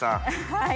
はい。